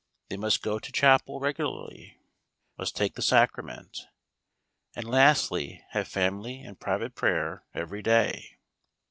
They must go to chapel regularly. Must take the Sacrament. And, lastly, have family and private prayer every day.